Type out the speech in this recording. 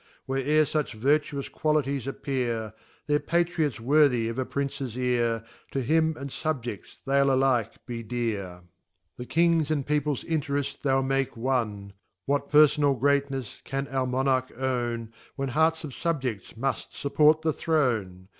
Where ere fuch vertuous qualities appear, They're Patriots worthy of a Princes ear, To Him and Subjects they'l alike be dear. Tfo The Kings and Peoples hterefi they'll tnakg one. What pergonal greatnefs can our Monarch own, When hearts of Subje&s mnjt fnpport the Throne